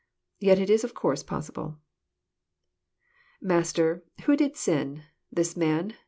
Yet it is of course possible. JiMaster, who did sin, this man